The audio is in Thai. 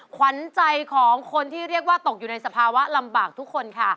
ขวัญใจของคนที่เรียกว่าตกอยู่ในสภาวะลำบากทุกคนค่ะ